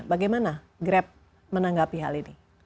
bagaimana grab menanggapi hal ini